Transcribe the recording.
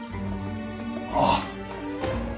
ああ。